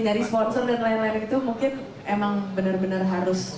dari sponsor dan lain lain itu mungkin emang bener bener harus